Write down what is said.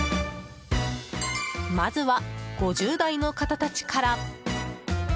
まずは５０代の方たちから。